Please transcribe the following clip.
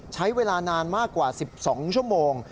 ใช้เวลานานมากกว่า๑๒ชั่วโมง